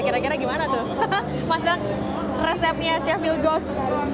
kira kira gimana tuh masak resepnya chef lugos